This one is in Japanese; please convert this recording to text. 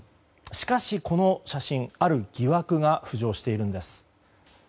しかし、この写真ある疑惑が浮上しているんです。